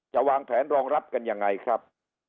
วางแผนรองรับกันยังไงครับ